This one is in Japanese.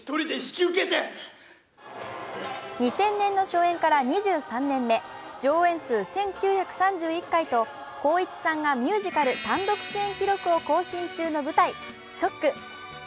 ２０００年の初演から２３年目上演数１９３１回と光一さんがミュージカル単独主演記録を更新中の舞台「ＳＨＯＣＫ」。